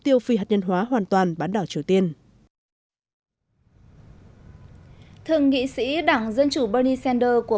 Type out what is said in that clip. tiêu phi hạt nhân hóa hoàn toàn bán đảo triều tiên thượng nghị sĩ đảng dân chủ bernie sanders của